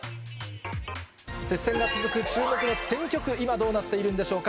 接戦が続く注目の選挙区、今、どうなっているんでしょうか。